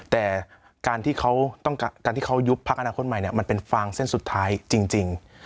แต่การที่เขายุบภาคอนาคตใหม่เนี่ยมันเป็นฟางเส้นสุดท้ายจริง